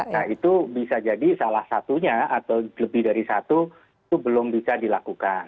nah itu bisa jadi salah satunya atau lebih dari satu itu belum bisa dilakukan